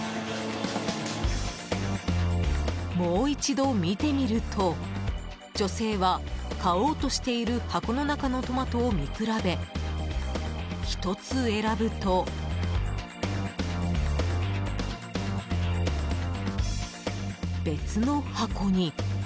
もう一度見てみると、女性は買おうとしている箱の中のトマトを見比べ１つ選ぶと、別の箱の中に。